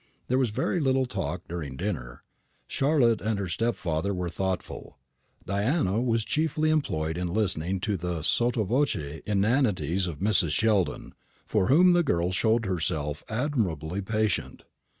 There was very little talk during dinner. Charlotte and her stepfather were thoughtful. Diana was chiefly employed in listening to the sotto voce inanities of Mrs. Sheldon, for whom the girl showed herself admirably patient.